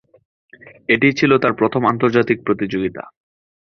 এটিই ছিল তার প্রথম আন্তর্জাতিক প্রতিযোগিতা।